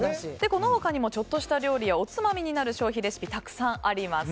この他にもちょっとした料理やおつまみになる消費レシピたくさんあります。